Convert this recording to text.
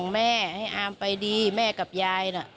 แม่ให้อามไปดีแม่กับยายน่ะ